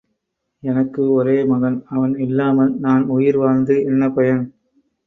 எனக்கு ஒரே மகன் அவன் இல்லாமல் நான் உயிர் வாழ்ந்து என்ன பயன்?